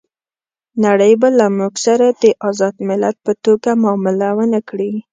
نړۍ به له موږ سره د آزاد ملت په توګه معامله ونه کړي.